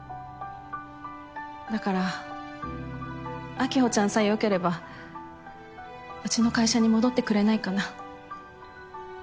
だから晶穂ちゃんさえ良ければうちの会社に戻ってくれないかな？